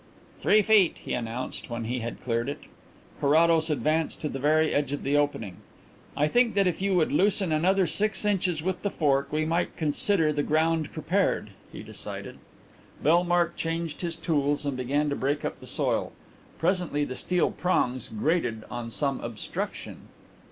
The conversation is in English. "Three feet," he announced, when he had cleared it. Carrados advanced to the very edge of the opening. "I think that if you would loosen another six inches with the fork we might consider the ground prepared," he decided. Bellmark changed his tools and began to break up the soil. Presently the steel prongs grated on some obstruction.